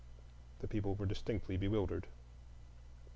The people were distinctly bewildered.